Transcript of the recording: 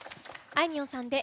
あいみょんさんで